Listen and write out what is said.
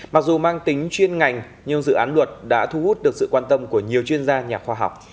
mặc dù mang tính chuyên ngành nhưng dự án luật đã thu hút được sự quan tâm của nhiều chuyên gia nhà khoa học